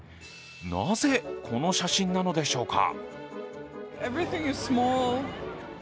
なぜ、この写真なのでしょうか。